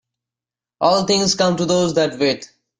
All things come to those that wait.